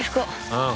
ああ。